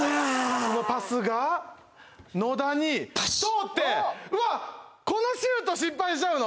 そのパスが野田に通ってうわっこのシュート失敗しちゃうの！？